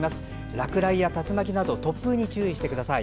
落雷や竜巻など突風に注意してください。